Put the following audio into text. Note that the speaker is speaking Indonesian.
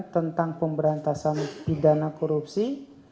tentang pemberantasan pidana korupsi